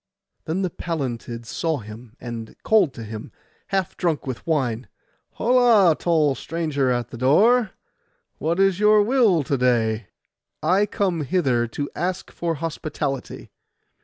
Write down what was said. Then the Pallantids saw him, and called to him, half drunk with wine, 'Holla, tall stranger at the door, what is your will to day?' 'I come hither to ask for hospitality.